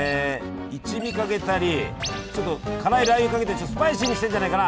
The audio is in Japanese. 一味かけたりちょっと辛いラー油かけてスパイシーにしてんじゃないかな？